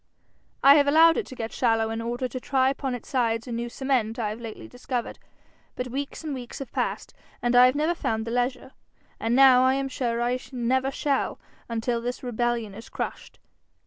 I have allowed it to get shallow in order to try upon its sides a new cement I have lately discovered; but weeks and weeks have passed, and I have never found the leisure, and now I am sure I never shall until this rebellion is crushed.